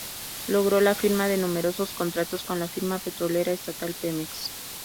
Logró la firma de numerosos contratos con la firma petrolera estatal Pemex.